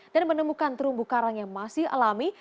dan menemukan terumbu karang yang masih alami